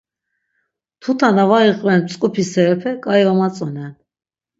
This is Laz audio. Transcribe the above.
Tuta na var iqven mtzǩupi serepe ǩai vamatzonen.